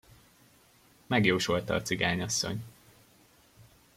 Megjósolta a cigányasszony.